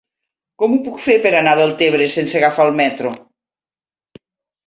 Com ho puc fer per anar a Deltebre sense agafar el metro?